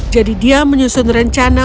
jadi dia menyusun rencana